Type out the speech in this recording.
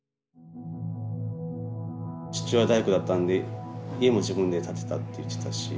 父親大工だったんで家も自分で建てたって言ってたし。